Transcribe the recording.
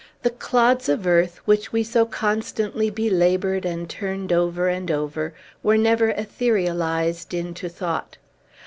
The clods of earth, which we so constantly belabored and turned over and over, were never etherealized into thought.